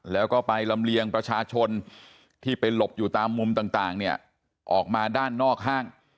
แล้วก็ไปลำเลียงประชาชนที่ไปหลบอยู่ตามมุมต่างเนี่ยออกมาด้านนอกห้าง